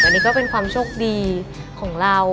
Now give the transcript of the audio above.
อันนี้ก็เป็นความโชคดีของเรา